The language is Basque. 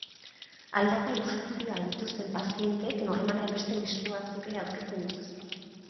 Aldaka-luxazioak dituzten pazienteek normalean beste lesio batzuk ere aurkezten dituzte.